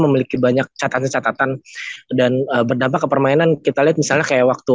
memiliki banyak catatan catatan dan berdampak ke permainan kita lihat misalnya kayak waktu